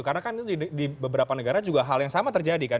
karena kan di beberapa negara juga hal yang sama terjadi kan